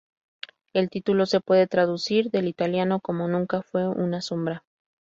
El título se puede traducir del italiano como "Nunca fue una sombra".